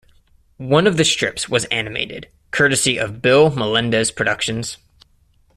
One of the strips was animated, courtesy of Bill Melendez Productions.